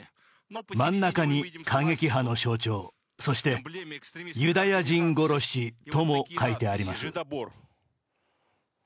真ん中に過激派の象徴、そして、ユダヤ人殺しとも書いてあります。